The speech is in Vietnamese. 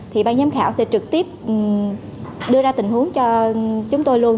thì ban giám khảo sẽ trực tiếp đưa ra tình huống cho chúng tôi luôn